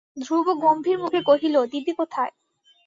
ধ্রুব গম্ভীর মুখে কহিল, দিদি কোথায়?